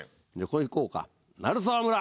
ここ行こうか「鳴沢村」。